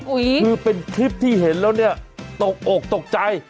คือเป็นคลิปที่เห็นแล้วเนี่ยตกอกตกใจ